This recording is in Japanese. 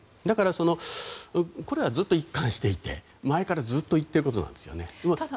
だから、ずっと一貫していて前からずっと言っているんです。